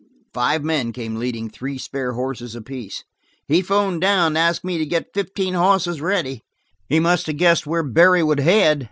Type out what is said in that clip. Five men came leading three spare horses apiece. "He phoned down and asked me to get fifteen hosses ready. He must of guessed where Barry would head.